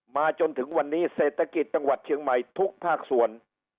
จนถึงวันนี้เศรษฐกิจจังหวัดเชียงใหม่ทุกภาคส่วน